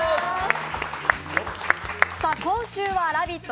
今週は「ラヴィット！」